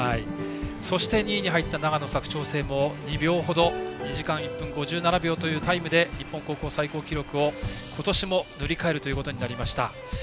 そして２位に入った長野・佐久長聖も２時間１分５７秒というタイムで日本高校最高記録を、今年も塗り替えることになりました。